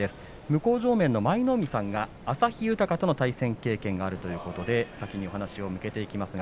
向正面の舞の海さんは旭豊との対戦経験があるということで先にお話を伺います。